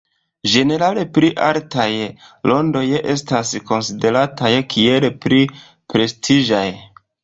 Ĝenerale pli altaj rondoj estas konsiderataj kiel pli prestiĝaj.